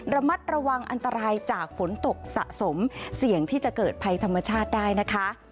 ระมัดระวังอันตรายจากฝนตกสะสมเสี่ยงที่จะเกิดภัยธรรมชาติได้นะคะ